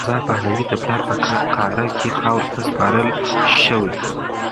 رضا پهلوي د پلار په قاره کې خاورو ته سپارل شوی.